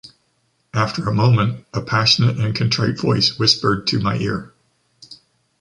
After a moment, a passionate and contrite voice whispered to my ear: